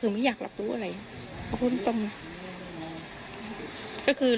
คืออยู่ช่วงระวังถึงเหมือนพูดตรงว่าเราช็อคอ่ะนะครับอืม